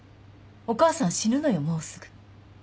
お母さん死ぬのよもうすぐ。